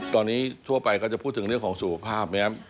ตอนนี้ทั่วไปก็จะพูดถึงเรื่องของสุขภาพนะครับ